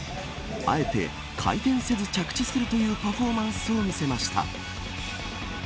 あえて回転せず着地するというパフォーマンスを見せました。